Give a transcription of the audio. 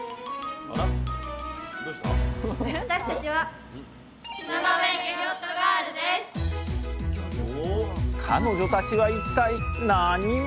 私たちは彼女たちは一体何者？